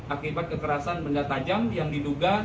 akibat kekerasan benda tajam yang diduga